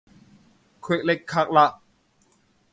虢礫緙嘞